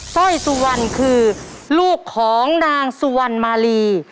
สร้อยสุวรรณคือลูกของนางสุวรรณมาลี